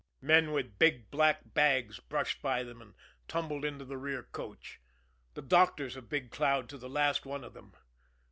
Men with little black bags brushed by him and tumbled into the rear coach the doctors of Big Cloud to the last one of them.